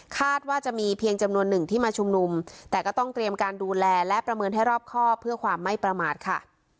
ว่าจะมีเพียงจำนวนหนึ่งที่มาชุมนุมแต่ก็ต้องเตรียมการดูแลและประเมินให้รอบครอบเพื่อความไม่ประมาทค่ะ